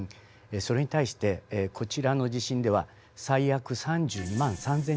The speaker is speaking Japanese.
それに対してこちらの地震では最悪３２万３，０００人といわれています。